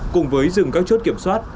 cùng với rừng các chốt kiểm soát